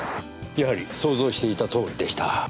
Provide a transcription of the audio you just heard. やはり想像していたとおりでした。